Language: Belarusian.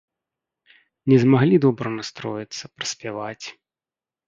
Не змаглі добра настроіцца, праспяваць.